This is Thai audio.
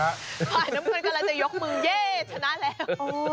ฝ่ายน้ำเงินกำลังจะยกมือเย่ชนะแล้ว